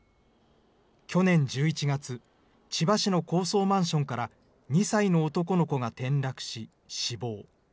去年１１月、千葉市の高層マンションから２歳の男の子が転落し、死亡。